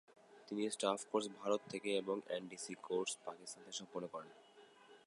তিনি staff course Bharat থেকে এবং এনডিসি কোর্স পাকিস্তান থেকে সম্পন্ন করেন।